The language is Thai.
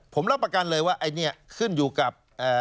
ผมรับประกันเลยว่าไอ้เนี่ยขึ้นอยู่กับ